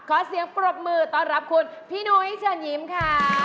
ขอเสียงปรบมือต้อนรับคุณพี่นุ้ยเชิญยิ้มค่ะ